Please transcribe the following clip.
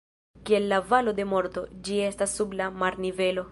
Kiel la Valo de Morto, ĝi estas sub la marnivelo.